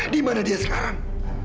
di mana dia sekarang